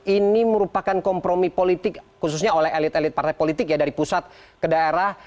ini merupakan kompromi politik khususnya oleh elit elit partai politik ya dari pusat ke daerah